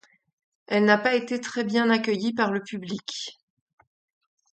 Elle n'a pas été très bien accueillie par le public.